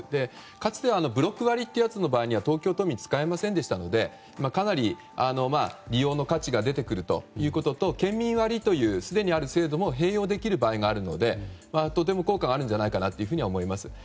かつてのブロック割というやつの場合には東京都民は使えませんでしたのでかなり利用の価値が出てくるということと県民割という、すでにある制度も併用できる場合があるのでとても効果があるんじゃないかなというふうには思います。